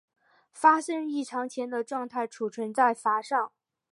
发生异常前的状态存储在栈上。